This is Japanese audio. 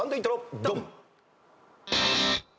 ドン！